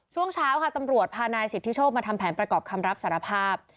ช่วงเช้าค่ะตำรวจพานายสิทธิโชคมาทำแผนประกอบคำรับสารภาพ